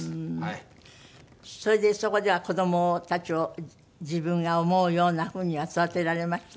それでそこでは子どもたちを自分が思うような風には育てられました？